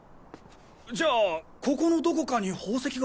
じゃあここのどこかに宝石が？